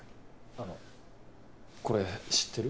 あのこれ知ってる？